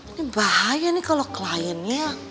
ini bahaya nih kalau kliennya